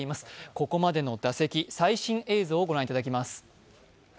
ここまでの打席、最新映像を御覧いただきます。